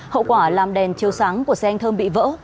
hậu quả làm đèn chiêu sáng của xe anh thơm bị vỡ